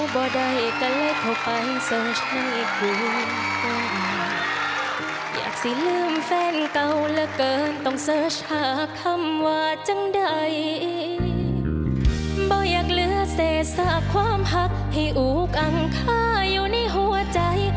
บอกอยากเหลือเศษซากความหักให้อูกังค่าอยู่ในหัวใจ